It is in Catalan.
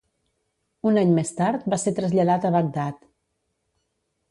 Un any més tard va ser traslladat a Bagdad.